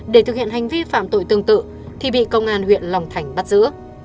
để thực hiện hành vi phạm tội tương tự thì bị công an huyện long thành bắt giữ